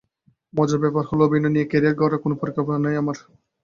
মজার ব্যাপার হলো, অভিনয় নিয়ে ক্যারিয়ার গড়ার কোনো পরিকল্পনা নেই আমার।